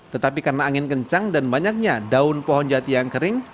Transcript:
tetapi karena angin kencang dan banyaknya daun pohon jati yang kering